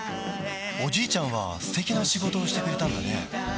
おじいちゃんは素敵な仕事をしてくれたんだね